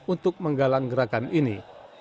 untuk menggalang gerakan ini